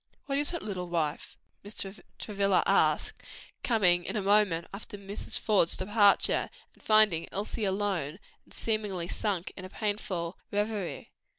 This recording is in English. "What is it, little wife?" Mr. Travilla asked, coming in a moment after Mrs. Faude's departure and finding Elsie alone and seemingly sunk in a painful reverie.